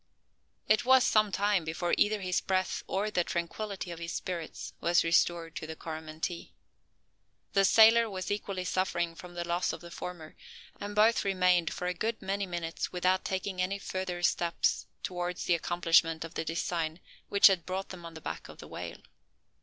It was some time before either his breath or the tranquillity of his spirits was restored to the Coromantee. The sailor was equally suffering from the loss of the former; and both remained for a good many minutes without taking any further steps towards the accomplishment of the design which had brought them on the back of the whale.